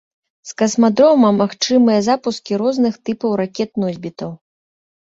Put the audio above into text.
З касмадрома магчымыя запускі розных тыпаў ракет-носьбітаў.